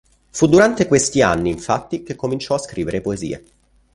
Fu durante questi anni, infatti, che cominciò a scrivere poesie.